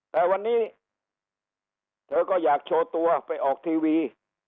แต่วันนี้เธอก็อยากโชว์ตัวไปออกทีวี